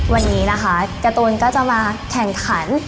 วันนี้นะคะการ์ตูนก็จะมาแข่งขัน